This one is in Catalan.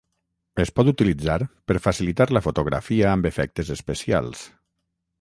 Es pot utilitzar per facilitar la fotografia amb efectes especials.